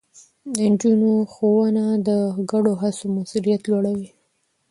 د نجونو ښوونه د ګډو هڅو موثريت لوړوي.